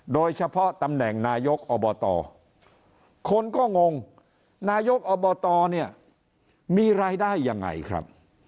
โดยเฉพาะตำแหน่งนายกอบตคนก็งงนายกอบตเนี่ยมีรายได้ยังไงครับ